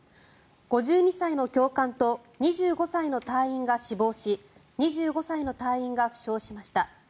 ５２歳の教官と２５歳の隊員が死亡し２５歳の隊員が負傷しました。